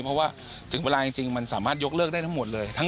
เพราะว่าถึงเวลาจริงมันสามารถยกเลิกได้ทั้งหมดเลย